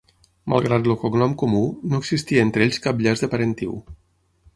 Malgrat el cognom comú, no existia entre ells cap llaç de parentiu.